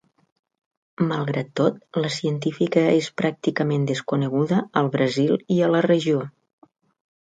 Malgrat tot, la científica és pràcticament desconeguda al Brasil i a la regió.